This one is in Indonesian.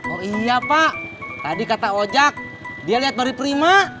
oh iya pak tadi kata ojak dia lihat dari prima